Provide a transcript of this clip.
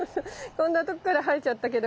こんなとこから生えちゃったけど。